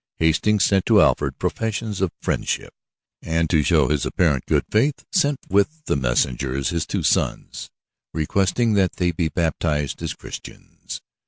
Hastings sent to Alfred professions of friendship, and to show his apparent good faith sent with the messengers his two sons, requesting that they be baptized as Christians.